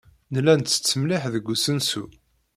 Nella nettett mliḥ deg usensu.